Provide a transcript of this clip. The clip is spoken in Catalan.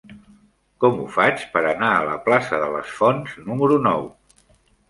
Com ho faig per anar a la plaça de les Fonts número nou?